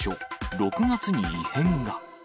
６月に異変が。